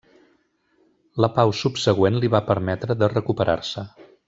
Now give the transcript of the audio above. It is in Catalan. La pau subsegüent li va permetre de recuperar-se.